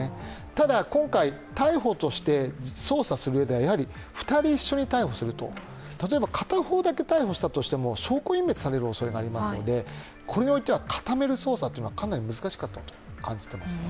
ただ今回、逮捕として捜査する上では２人一緒に逮捕すると、例えば片方だけ逮捕したとしても証拠隠滅されるおそれがありますのでこれにおいては固める捜査というのはかなり難しかったと感じています。